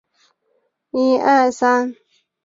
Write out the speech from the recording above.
马甸自然形成交易市场。